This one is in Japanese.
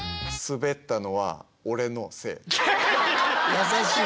優しい。